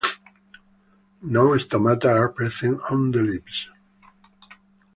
No stomata are present on the leaves.